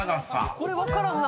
これ分からんな。